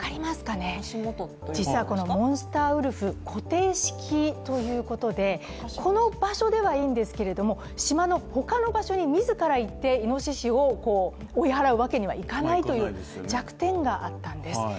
実はこのモンスターウルフ、固定式ということでこの場所ではいいんですけれども島の他の場所に自ら行っていのししを追い払うわけにはいかないという弱点があったんです。